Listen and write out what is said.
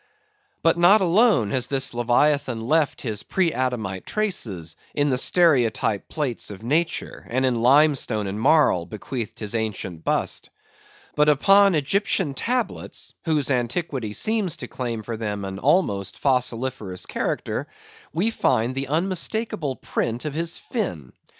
But not alone has this Leviathan left his pre adamite traces in the stereotype plates of nature, and in limestone and marl bequeathed his ancient bust; but upon Egyptian tablets, whose antiquity seems to claim for them an almost fossiliferous character, we find the unmistakable print of his fin.